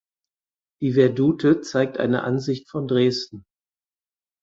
Die Vedute zeigt eine Ansicht von Dresden.